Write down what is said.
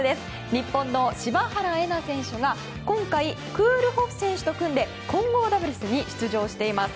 日本の柴原瑛菜選手が今回、クールホフ選手と組んで混合ダブルスに出場しています。